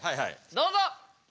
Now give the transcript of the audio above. どうぞ！